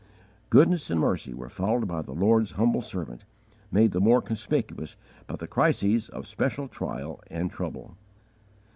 Goodness and mercy were following the Lord's humble servant, made the more conspicuous by the crises of special trial and trouble.